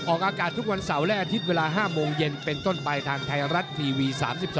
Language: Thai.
ออกอากาศทุกวันเสาร์อาทิตย์เวลา๕โมงเย็นทางทะยารัททีวี๓๒